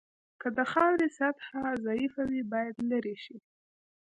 که د خاورې سطحه ضعیفه وي باید لرې شي